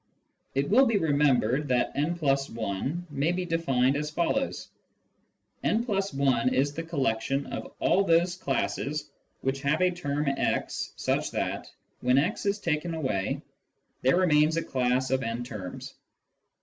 It will be remembered that «+i may be defined as follows :«+ 1 is the collection of all those classes which have a term x such that, when x is taken away, there remains a class of « terms.